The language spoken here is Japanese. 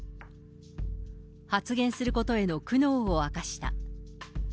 発言することへの苦悩を明かした。